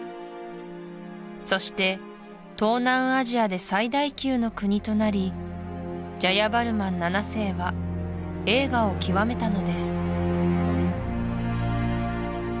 そして東南アジアで最大級の国となりジャヤバルマン７世は栄華を極めたのです